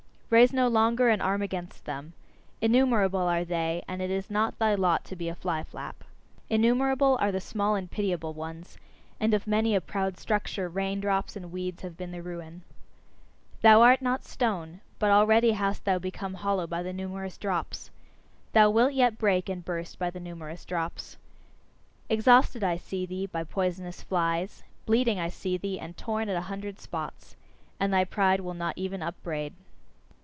Raise no longer an arm against them! Innumerable are they, and it is not thy lot to be a fly flap. Innumerable are the small and pitiable ones; and of many a proud structure, rain drops and weeds have been the ruin. Thou art not stone; but already hast thou become hollow by the numerous drops. Thou wilt yet break and burst by the numerous drops. Exhausted I see thee, by poisonous flies; bleeding I see thee, and torn at a hundred spots; and thy pride will not even upbraid.